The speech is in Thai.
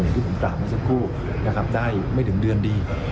อย่างที่ผมกล่ามให้สักครู่ได้ไม่ถึงเดือนดี